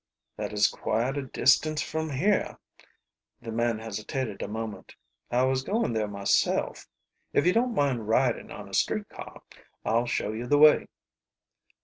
"That is quite a distance from here." The man hesitated a moment. "I was going there myself. If you don't mind riding on a street car I'll show you the way."